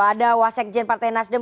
ada wasek jen partai nasdem